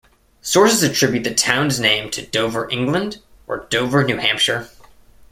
Sources attribute the town's name to Dover, England or Dover, New Hampshire.